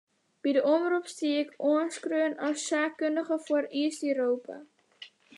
By de omrop stie ik oanskreaun as saakkundige foar East-Europa.